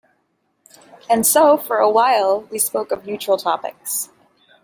And so for a while we spoke of neutral topics.